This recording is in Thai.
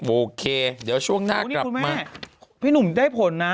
โอเคเดี๋ยวช่วงหน้ากลับมา